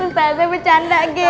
ustazah bercanda guys